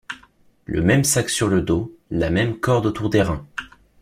Le même sac sur le dos, la même corde autour des reins.